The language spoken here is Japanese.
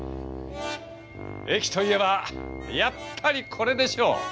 駅といえばやっぱりこれでしょう。